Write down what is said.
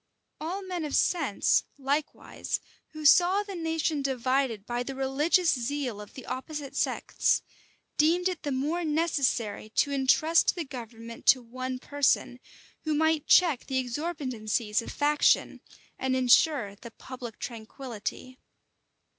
All men of sense, likewise, who saw the nation divided by the religious zeal of the opposite sects, deemed it the more necessary to intrust the government to one person, who might check the exorbitancies of faction, and insure the public tranquillity.